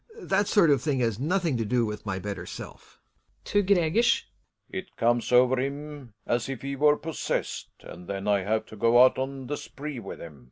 That sort of thing has nothing to do with my better self. Relling {to Gregers). It comes over him as if he were possessed, and then I have to go out on the spree with him.